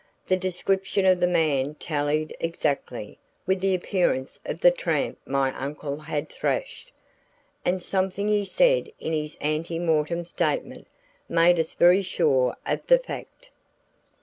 The description of the man tallied exactly with the appearance of the tramp my uncle had thrashed, and something he said in his ante mortem statement, made us very sure of the fact.